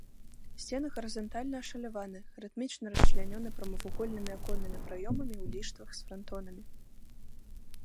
Сцены гарызантальна ашаляваны, рытмічна расчлянёны прамавугольнымі аконнымі праёмамі ў ліштвах з франтонамі.